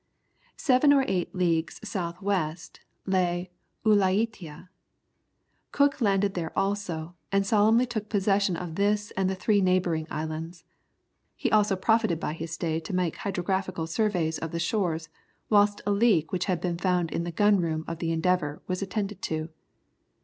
Seven or eight leagues south west lay Ulietea. Cook landed there also, and solemnly took possession of this and the three neighbouring isles. He also profited by his stay to make hydrographical surveys of the shores, whilst a leak which had been found in the gun room of the Endeavour, was attended to.